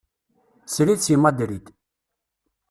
Srid seg Madrid.